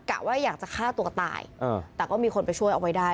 ว่าอยากจะฆ่าตัวตายแต่ก็มีคนไปช่วยเอาไว้ได้